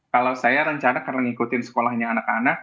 kalau saya rencana karena ngikutin sekolahnya anak anak